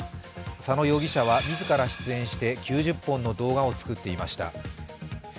佐野容疑者はみずから出演して９０本の動画を作っていました。